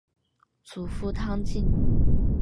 祖父汤敬。